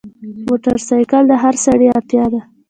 موټرسایکل د هر سړي اړتیا ده.